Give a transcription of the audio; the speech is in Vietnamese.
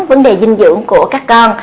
vấn đề dinh dưỡng của các con